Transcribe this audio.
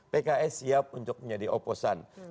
pks siap untuk menjadi oposan